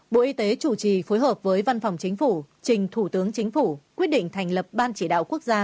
một mươi bốn bộ y tế chủ trì phối hợp với văn phòng chính phủ trình thủ tướng chính phủ quyết định thành lập ban chỉ đạo quốc gia